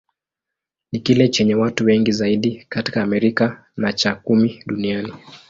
Ni kile chenye watu wengi zaidi katika Amerika, na cha kumi duniani.